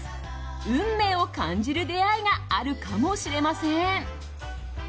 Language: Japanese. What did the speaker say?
運命を感じる出会いがあるかもしれません。